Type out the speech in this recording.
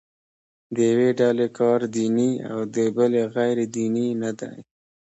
د یوې ډلې کار دیني او د بلې غیر دیني نه دی.